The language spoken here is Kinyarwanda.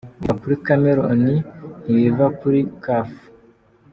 Biva kuri Cameroun ntibiva kuri Caf.